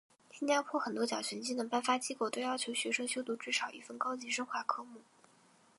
新加坡很多奖学金的颁发机构都要求学生修读至少一份高级深化科目。